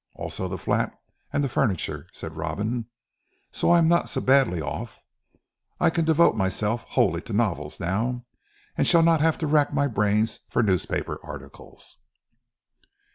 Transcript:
"Also the flat and the furniture," said Robin, "so I am not so badly off. I can devote myself wholly to novels now, and shall not have to rack my brains for newspaper articles."